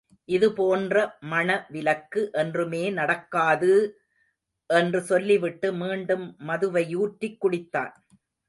இது போன்ற மணவிலக்கு என்றுமே நடக்காது! என்று சொல்லிவிட்டு மீண்டும் மதுவையூற்றிக் குடித்தான்.